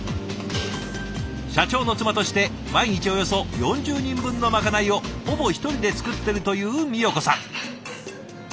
社長の妻として毎日およそ４０人分のまかないをほぼ１人で作ってるというみよ子さん。